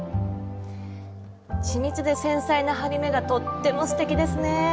緻密で繊細な針目がとってもすてきですね。